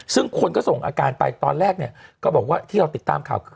ซึ่งคนก็ส่งอาการไปตอนแรกเนี่ยก็บอกว่าที่เราติดตามข่าวคือ